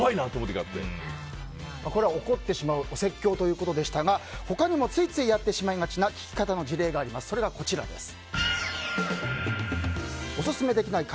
怒ってしまうお説教ということでしたが他にもついついやってしまいがちな聞き方の事例オススメできない会